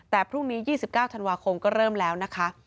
แต่พรุ่งนี้๒๙ธันวาคมก็เริ่มแล้วนะคะ